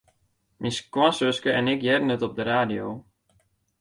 Myn skoansuske en ik hearden it op de radio.